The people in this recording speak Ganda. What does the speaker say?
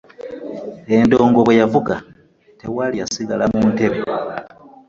Endongo bwe yavuga tewali yasigala mu ntebe.